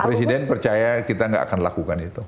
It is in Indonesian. presiden percaya kita nggak akan lakukan itu